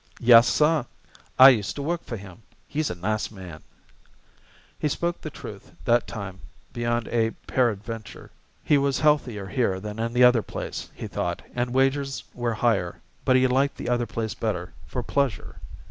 "Yes, sah; I used to work for him. He's a nice man." He spoke the truth that time beyond a peradventure. He was healthier here than in the other place, he thought, and wages were higher; but he liked the other place better "for pleasure."